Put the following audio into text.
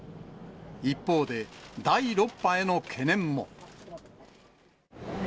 一方で第６波への懸念も。